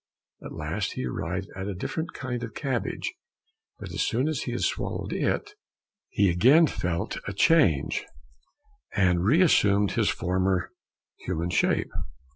At last he arrived at a different kind of cabbage, but as soon as he had swallowed it, he again felt a change, and reassumed his former human shape.